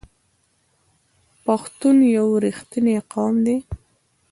پښتون یو رښتینی قوم دی.